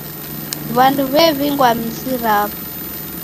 W'andu w'ew'ingwa mizi raw'o.